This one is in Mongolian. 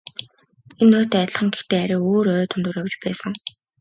Энэ ойтой адилхан гэхдээ арай өөр ой дундуур явж байсан.